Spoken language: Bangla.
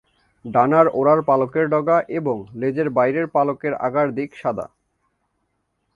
ডানার ওড়ার পালকের ডগা এবং লেজের বাইরের পালকের আগার দিক সাদা।